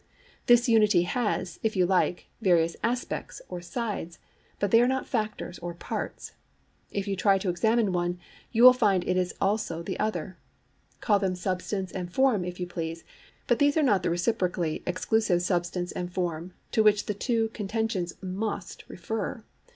This unity has, if you like, various 'aspects' or 'sides,' but they are not factors or parts; if you try to examine one, you find it is also the other. Call them substance and form if you please, but these are not the reciprocally exclusive substance and form to which the two contentions must refer.